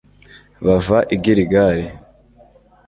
bava i giligali